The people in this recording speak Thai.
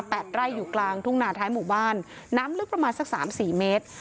ไร่อยู่กลางทุ่งนาท้ายหมู่บ้านน้ำลึกประมาณสักสามสี่เมตร